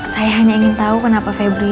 saya hanya ingin tahu kenapa febri